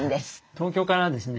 東京からですね